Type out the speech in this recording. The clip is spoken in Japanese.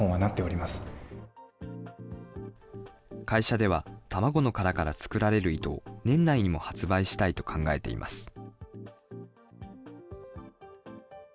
会社では、卵の殻から作られる糸を年内にも発売したいと考えています。